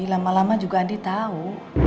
lama lama juga andi tahu